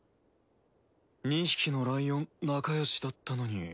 ２匹のライオン仲よしだったのに。